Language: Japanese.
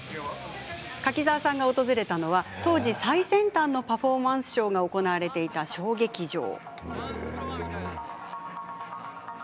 柿澤さんが訪れたのは当時、最先端のパフォーマンスショーが行われていた小劇場。